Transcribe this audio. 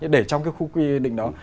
để trong cái khu quy định đó